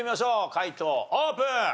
解答オープン！